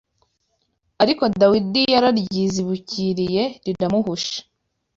Ariko Dawidi yararyizibukiriye riramuhusha